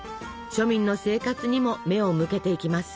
庶民の生活にも目を向けていきます。